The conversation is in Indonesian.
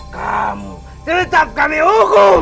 kamu tetap kami hukum